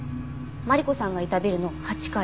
マリコさんがいたビルの８階。